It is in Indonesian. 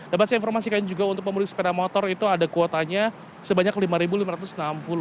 dapat saya informasikan juga untuk pemudik sepeda motor itu ada kuotanya sebanyak rp lima lima ratus enam puluh